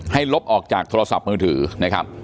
ลบออกจากโทรศัพท์มือถือนะครับ